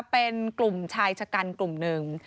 เป็นกลุ่มชายชะกันกลุ่มหนึ่ง